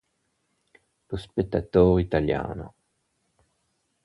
Lo Spettatore Italiano